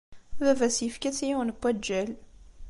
Baba-s yefka-tt i yiwen n waǧǧal.